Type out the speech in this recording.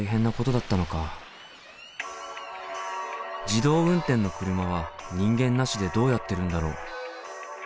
自動運転の車は人間なしでどうやってるんだろう？